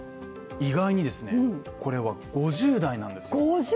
意外に、これは５０代なんですよ。